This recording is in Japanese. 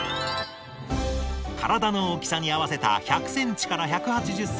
体の大きさに合わせた１００ｃｍから１８０ｃｍのサテン布。